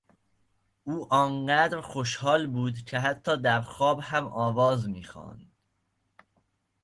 او آنقدر خوشحال بود که حتی درخواب هم آواز میخواند.